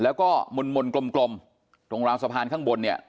แล้วก็หม่นหม่นกลมกลมตรงราวสะพานข้างบนเนี่ย